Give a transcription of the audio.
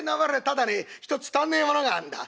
ただね１つ足んねえものがあんだ。